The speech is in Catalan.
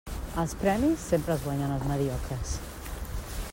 Els premis sempre els guanyen els mediocres.